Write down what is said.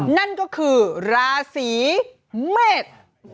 นั่นก็คือราศีเมษ